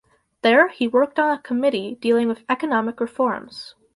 There he worked on a committee dealing with economic reforms.